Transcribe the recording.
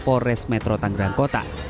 polres metro tanggerang kota